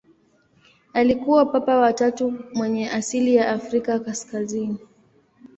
Alikuwa Papa wa tatu mwenye asili ya Afrika kaskazini.